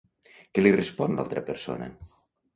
Què li respon l'altra persona?